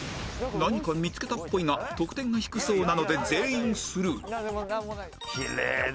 何か見付けたっぽいが得点が低そうなので全員スルー